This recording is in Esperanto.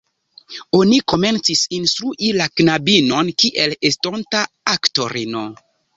Oni komencis instrui la knabinon kiel estonta aktorino.